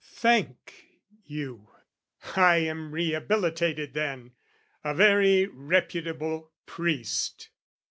Thank you! I am rehabilitated then, A very reputable priest.